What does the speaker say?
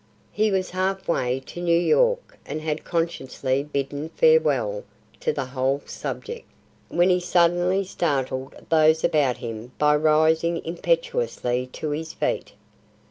He was halfway to New York and had consciously bidden farewell to the whole subject, when he suddenly startled those about him by rising impetuously to his feet.